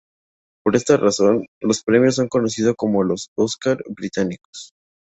Por esta razón, los premios son conocidos como los "Óscar Británicos".